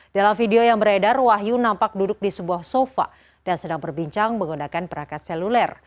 dalam video yang beredar wahyu nampak duduk di sebuah sofa dan sedang berbincang menggunakan perangkat seluler